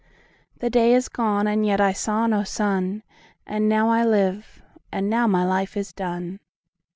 5The day is gone and yet I saw no sun,6And now I live, and now my life is done.